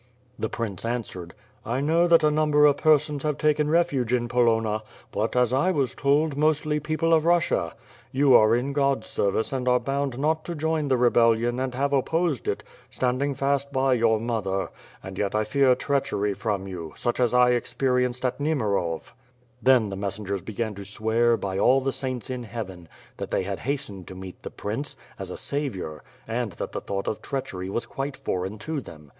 The prince answered, "I know that a number of persons have taken refuge in Polonna but, as I was told, mostly people of Russia. You are in God's service and are bound not to join the rebellion and have opposed it, standing fast by your mother. And yet I fear treachery from you, such aa I ex perienced at Nimirov. Then the messengers began to swear, by all the saints in Heaven, that they had hastened to meet the prince, as a saviour and that the thought of treachery was quite foreign to them.